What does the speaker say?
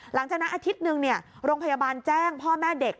หลังจากนั้นอาทิตย์นึงโรงพยาบาลแจ้งพ่อแม่เด็ก